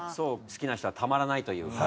好きな人はたまらないというか。